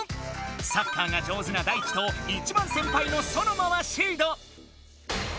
サッカーが上手なダイチといちばんせんぱいのソノマはシード。